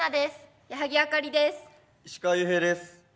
石川裕平です。